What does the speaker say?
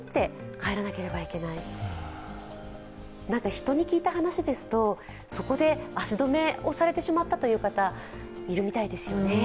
人に聞いた話ですとそこで足止めをされてしまったという方、いるみたいですよね。